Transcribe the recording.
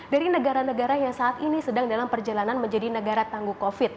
dari negara negara yang saat ini sedang dalam perjalanan menjadi negara tangguh covid